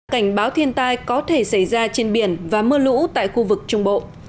cảnh báo thiên tai có thể xảy ra trên biển và mưa lũ tại khu vực trung bộ